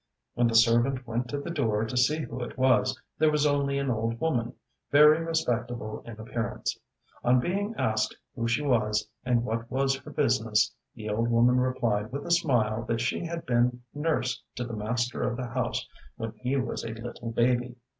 When the servant went to the door to see who it was, there was only an old woman, very respectable in appearance. On being asked who she was and what was her business, the old woman replied with a smile that she had been nurse to the master of the house when he was a little baby.